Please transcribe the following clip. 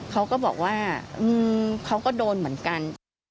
เขาก็บอกว่าเขาก็โดนเหมือนกัน